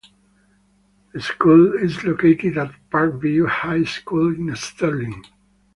The school is located at Park View High School in Sterling.